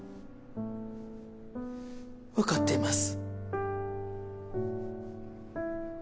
わかっています。